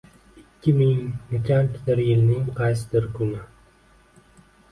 Ikki ming nechanchidir yilning qaysidir kuni.